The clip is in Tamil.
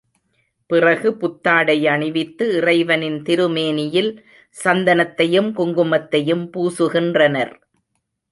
பிறகு புத்தாடை அணிவித்து, இறைவனின் திருமேனியில் சந்தனத்தையும், குங்குமத்தையும் பூசுகின்றனர்.